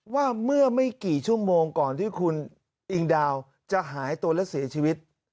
ว่าเมื่อไม่กี่ชั่วโมงก่อนที่คุณอิงดาวจะหายตัวและเสียชีวิต